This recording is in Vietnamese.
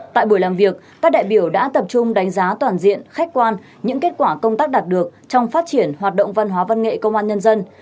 tại buổi làm việc các đại biểu đã tập trung đánh giá toàn diện khách quan những kết quả công tác đạt được trong phát triển hoạt động văn hóa văn nghệ công an nhân dân